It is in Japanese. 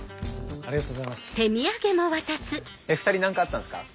えっ２人何かあったんすか？